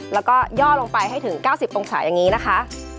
แล้วก็ย่อลงไปให้ถึง๙๐องศาอย่างนี้นะคะ